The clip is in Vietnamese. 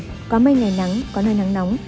phù vực tây nguyên